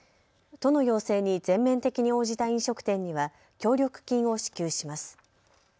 都の要請に全面的に応じた飲食店には協力金を支給します。